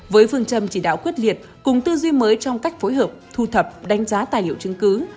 với phương châm chỉ đạo quyết liệt cùng tư duy mới trong cách phối hợp thu thập đánh giá tài liệu chứng cứ